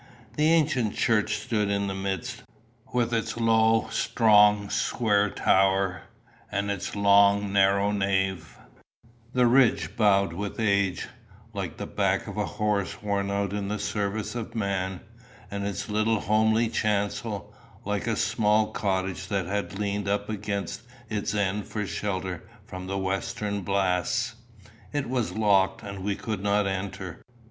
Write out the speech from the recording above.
The ancient church stood in the midst, with its low, strong, square tower, and its long, narrow nave, the ridge bowed with age, like the back of a horse worn out in the service of man, and its little homely chancel, like a small cottage that had leaned up against its end for shelter from the western blasts. It was locked, and we could not enter.